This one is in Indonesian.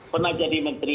pernah jadi menteri